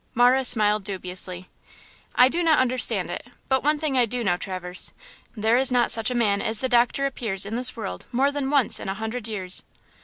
Marah smiled dubiously. "I do not understand it, but one thing I do know, Traverse! There is not such a man as the doctor appears in this world more than once in a hundred years."